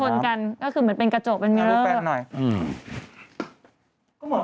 ถนกันก็คือเหมือนเป็นกระโจ๊กเป็นเมลิเมอร์